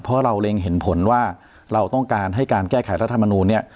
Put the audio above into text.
เพราะเราเล็งเห็นผลว่าเราต้องการให้การแก้ไขรัฐมนูลเนี่ย